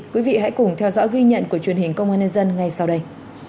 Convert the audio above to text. quý vị hãy cùng theo dõi ghi nhận của truyền hình công an nhân dân ngay sau đây